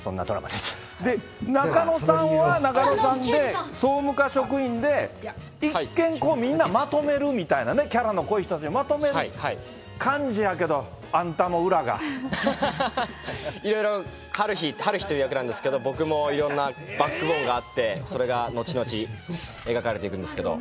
で、仲野さんは、仲野さんで、総務課職員で、一見、みんなまとめるみたいなね、キャラの濃い人たちをまとめる感じやけど、いろいろ、悠日、悠日という役なんですけど、僕もいろんなバックボーンがあって、それが後々描かれていくんですけど。